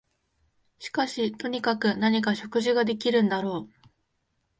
しかしとにかく何か食事ができるんだろう